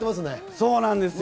そうなんですよ。